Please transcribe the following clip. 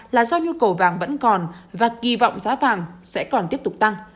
là do nhu cầu vàng vẫn còn và kỳ vọng giá vàng sẽ còn tiếp tục tăng